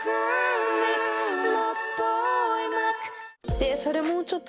でそれもちょっと。